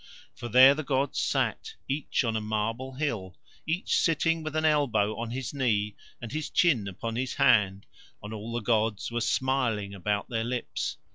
For there the gods sat, each on a marble hill, each sitting with an elbow on his knee, and his chin upon his hand, and all the gods were smiling about Their lips.